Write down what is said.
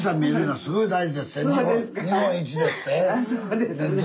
そうですか？